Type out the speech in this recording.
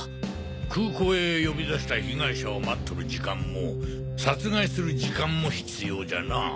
空港へ呼び出した被害者を待っとる時間も殺害する時間も必要じゃな。